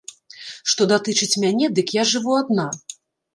Што датычыць мяне, дык я жыву адна.